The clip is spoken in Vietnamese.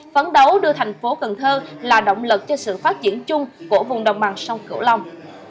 phấn đấu đưa thành phố cần thơ là động lực cho sự phát triển chung của vùng đồng bằng sông cửu long